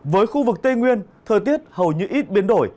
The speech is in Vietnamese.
với khu vực tây nguyên thời tiết hầu như ít biến đổi